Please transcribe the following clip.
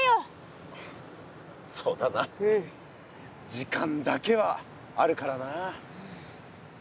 時間だけはあるからな。